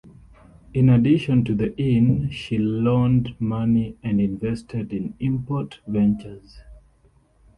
In addition to the inn, she loaned money and invested in import ventures.